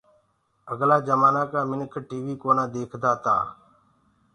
اگلآ جمآنآ ڪآ منک ٽي وي ڪونآ ديکدآ تآ۔